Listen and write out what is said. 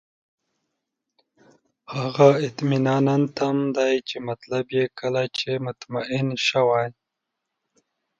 هغه اطماننتم دی چې مطلب یې کله چې مطمئن شوئ.